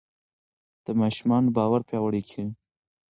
د ماشوم باور پیاوړی کړئ.